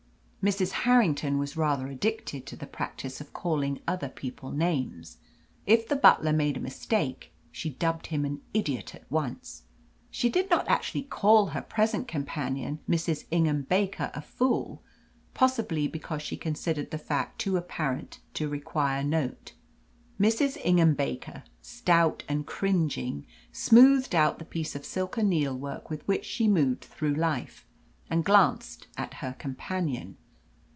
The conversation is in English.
Mrs. Harrington was rather addicted to the practice of calling other people names. If the butler made a mistake she dubbed him an idiot at once. She did not actually call her present companion, Mrs. Ingham Baker, a fool, possibly because she considered the fact too apparent to require note. Mrs. Ingham Baker, stout and cringing, smoothed out the piece of silken needlework with which she moved through life, and glanced at her companion.